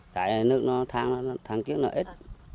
tại nước nó thang chiếc nó ít